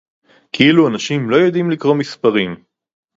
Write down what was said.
כאילו אנשים לא יודעים לקרוא מספרים